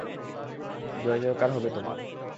জয়জয়কার হবে তোমার।